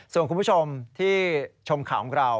ส่วนคุณผู้ชมที่ชมข่าวของเรา